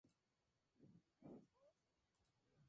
Se caracterizaba por reflejar panoramas coloridos en sus obras.